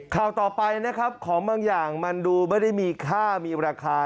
ข่าวต่อไปนะครับของบางอย่างมันดูไม่ได้มีค่ามีราคา